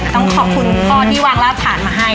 ต้องขอบคุณพ่อที่วางรากฐานมาให้